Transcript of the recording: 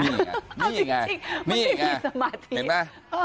เอาจริงไม่ใช่มีสมาธิเห็นไหม